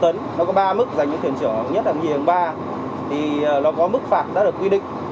nó có ba mức dành cho thuyền trưởng nhất là nhì ba thì nó có mức phạt đã được quy định